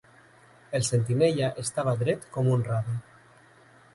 El sentinella estava dret com un rave.